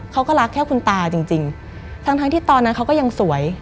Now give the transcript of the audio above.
เขาก็รักแค่คุณตาจริงทั้งที่ตอนนั้นเขาก็ยังสวย